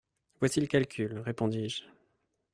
Voici le calcul, répondis-je.